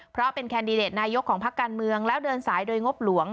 เพราะเป็นแคนดิเดตนายกของพักการเมืองแล้วเดินสายโดยงบหลวง